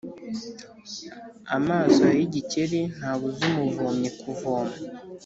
Amaso y’igikeri ntabuza umuvomyi kuvoma.